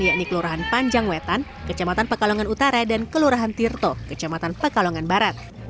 yakni kelurahan panjang wetan kecamatan pekalongan utara dan kelurahan tirto kecamatan pekalongan barat